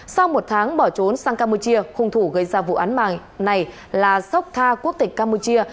sau một tháng bỏ trốn sang campuchia khung thủ gây ra vụ án màng này là sóc tha quốc tịch campuchia